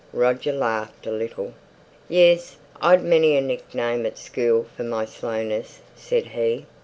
Roger laughed a little "Yes; I'd many a nickname at school for my slowness," said he.